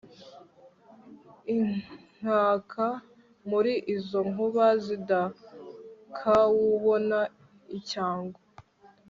inkaka muri izo nkuba sindakawubona icyangwe